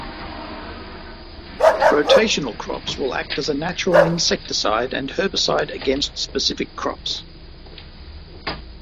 Rotational crops will act as a natural insecticide and herbicide against specific crops.